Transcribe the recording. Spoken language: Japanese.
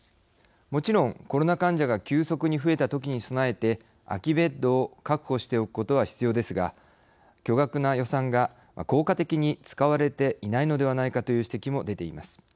もちろん、コロナ患者が急速に増えたときに備えて空きベッドを確保しておくことは必要ですが巨額な予算が効果的に使われていないのではないかという指摘も出ています。